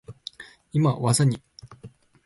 今、技に…。